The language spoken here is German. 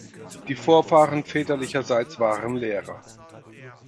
Die Vorfahren väterlicherseits waren Lehrer.